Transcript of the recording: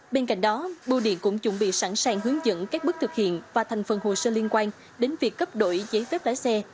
bên cạnh đó bưu điện cũng chuẩn bị sẵn sàng hướng dẫn các bước thực hiện và thành phần hồ sơ liên quan đến việc cấp đổi giấy phép lái xe